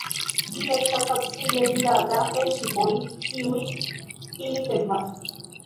Ĝi estas facile vidata el ŝipoj, kiujn ili sekvas.